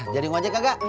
jadi ngajak kakak